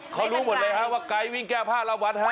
เขารู้หมดเลยฮะว่าไกด์วิ่งแก้ผ้าละวัดฮะ